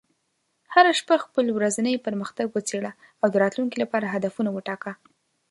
هره شپه خپل ورځنی پرمختګ وڅېړه، او د راتلونکي لپاره هدفونه وټاکه.